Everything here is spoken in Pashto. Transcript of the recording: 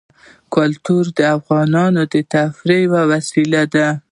کلتور د افغانانو د تفریح یوه وسیله ده.